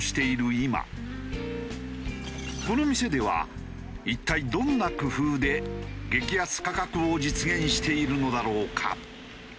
今この店では一体どんな工夫で激安価格を実現しているのだろうか？